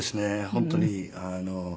本当に。